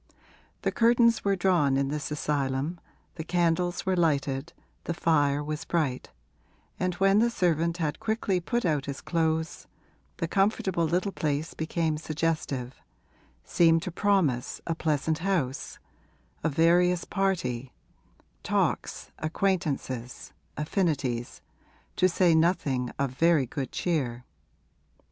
The curtains were drawn in this asylum, the candles were lighted, the fire was bright, and when the servant had quickly put out his clothes the comfortable little place became suggestive seemed to promise a pleasant house, a various party, talks, acquaintances, affinities, to say nothing of very good cheer.